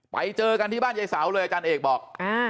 ไปเจอกันที่บ้านยายเสาเลยอาจารย์เอกบอก